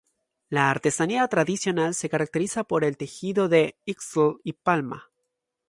La artesanía tradicional se caracteriza por el tejido de Ixtle y Palma.